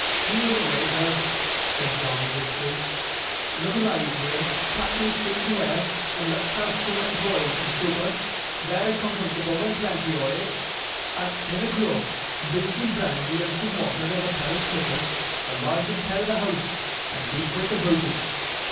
'Here, waither,' said John, briskly. 'Look alive here. Tak' these things awa', and let's have soomat broiled for sooper vary comfortable and plenty o' it at ten o'clock. Bring soom brandy and soom wather, and a pair o' slippers the largest pair in the house and be quick aboot it.